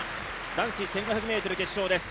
男子１５００ｍ決勝です。